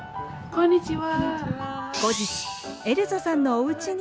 こんにちは。